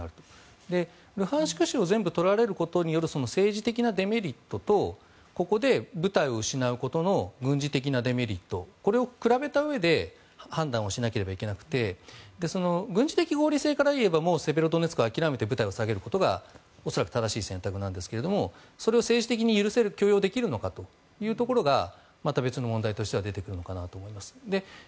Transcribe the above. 州を全部取られることによる政治的なデメリットとここで部隊を失うことの軍事的デメリットのこれを比べたうえで判断しないといけなくて軍事的合理性から言えばセベロドネツクは諦めて部隊を下げることが正しい選択だと思うんですがそれを政治的に許容できるのかというところがまた別の問題として出てくるのかなと思います。